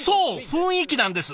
雰囲気なんです！